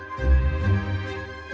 tuan brownlow menjawab